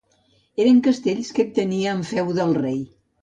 Eren castells que ell tenia en feu del rei.